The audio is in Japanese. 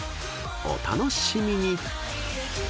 ［お楽しみに！］